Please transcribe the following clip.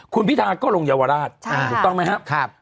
คุณพิธาก็ลงเยาวราชถูกต้องไหมครับ